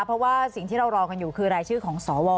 เพราะว่าสิ่งที่เรารอกันอยู่คือรายชื่อของสว